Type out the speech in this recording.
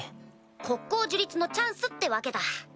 国交樹立のチャンスってわけだ。